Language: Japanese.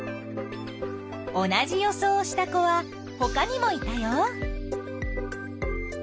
同じ予想をした子はほかにもいたよ。